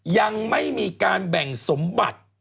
ยังไม่มีการแบ่งสมบัติ